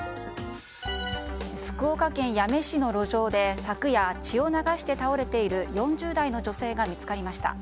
福岡県八女市の路上で昨夜血を流して倒れている４０代の女性が見つかりました。